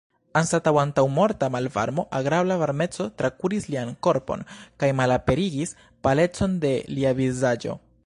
Anstataŭ antaŭmorta malvarmo agrabla varmeco trakuris lian korpon kaj malaperigis palecon de lia vizaĝo.